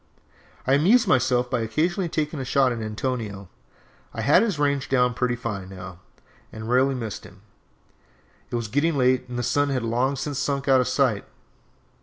I amused myself by occasionally taking a shot at Antonio. I had his range down pretty fine, now, and rarely missed him. It was getting late, and the sun had long since sunk out of sight.